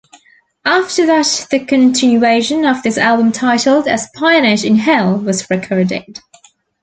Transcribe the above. After that the continuation of this album titled "Espionage in Hell" was recorded.